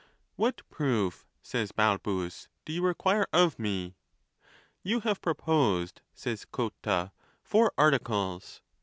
III. What proof, says Balbus, do you require of me? Ton have proposed, says Cotta, four articles.